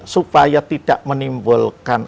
supaya tidak menimbulkan